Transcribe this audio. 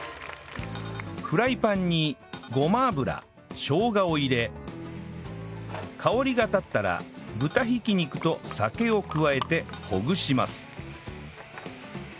フライパンにごま油しょうがを入れ香りが立ったら豚挽き肉と酒を加えてほぐします